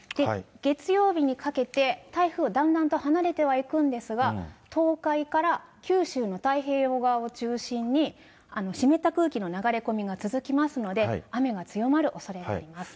月曜日にかけて、台風、だんだんと離れてはいくんですが、東海から九州の太平洋側を中心に、湿った空気の流れ込みが続きますので、雨が強まるおそれがあります。